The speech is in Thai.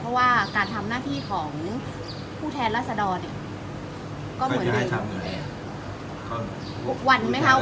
เพราะว่าการทำหน้าที่ของผู้แทนรัศดรเนี่ยก็เหมือนเดียว